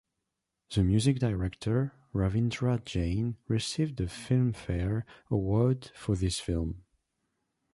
The music director Ravindra Jain received a Filmfare Award for this film.